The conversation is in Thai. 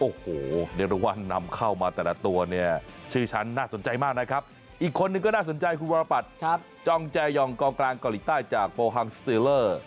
โอ้โหเรียกได้ว่านำเข้ามาแต่ละตัวเนี่ยชื่อฉันน่าสนใจมากนะครับอีกคนนึงก็น่าสนใจคุณวรปัตรจองแจยองกองกลางเกาหลีใต้จากโปรฮังสเตอร์เลอร์